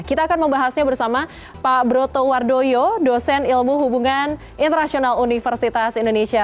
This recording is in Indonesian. kita akan membahasnya bersama pak broto wardoyo dosen ilmu hubungan internasional universitas indonesia